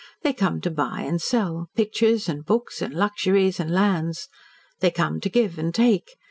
They come to buy and sell pictures and books and luxuries and lands. They come to give and take.